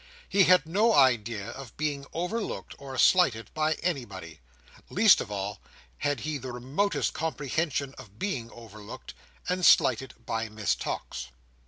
He had no idea of being overlooked or slighted by anybody; least of all, had he the remotest comprehension of being overlooked and slighted by Miss Tox.